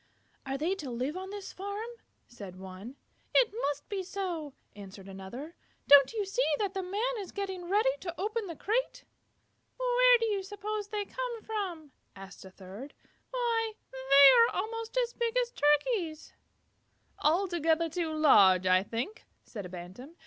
"Are they to live on this farm?" said one. "It must be so," answered another. "Don't you see that the Man is getting ready to open the crate?" "Where do you suppose they came from?" asked a third. "Why, they are almost as big as Turkeys." "Altogether too large, I think," said a Bantam.